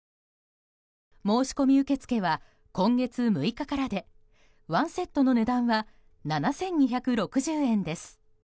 申し込み受け付けは今月６日からで１セットの値段は７２６０円です。